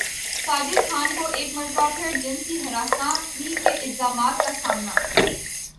ساجد خان کو ایک مرتبہ پھر جنسی ہراسانی کے الزامات کا سامنا